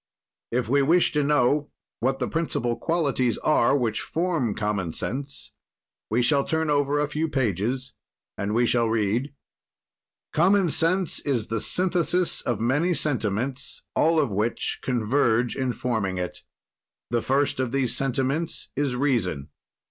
If we wish to know what the principal qualities are which form common sense, we shall turn over a few pages and we shall read: "Common sense is the synthesis of many sentiments, all of which converge in forming it. "The first of these sentiments is reason.